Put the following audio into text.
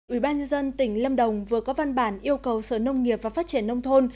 ủy ban nhân dân tỉnh lâm đồng vừa có văn bản yêu cầu sở nông nghiệp và phát triển nông thôn